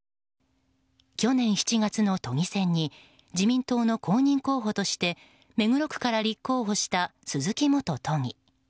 去年７月の都議選に自民党の公認候補として目黒区から立候補した鈴木元都議。